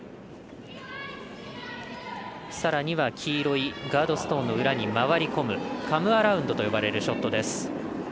さらには黄色いガードストーンの裏に回り込むカムアラウンドと呼ばれるショットです。